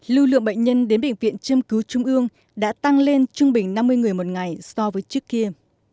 lưu lượng bệnh nhân đến bệnh viện châm cứu trung ương đã tăng lên trung bình năm mươi người một ngày so với trước kia